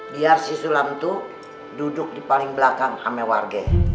biar si sulam itu duduk di paling belakang sama warga